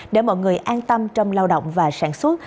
để mọi người an tâm trong lao động và sản xuất